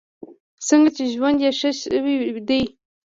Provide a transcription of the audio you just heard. ځکه چې ژوند یې ښه شوی دی.